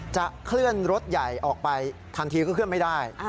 จะเคลื่อนรถใหญ่ออกไปทันทีก็เคลื่อนไม่ได้